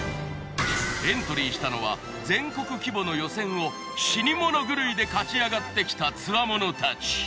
エントリーしたのは全国規模の予選を死に物狂いで勝ち上がってきたつわものたち。